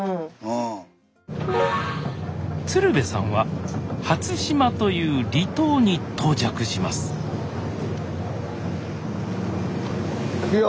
鶴瓶さんは初島という離島に到着しますいくよ！